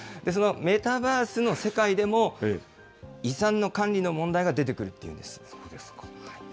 そのメタバースの世界でも、遺産の管理の問題が出てくるというんです。